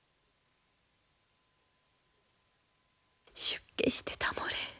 出家してたもれ。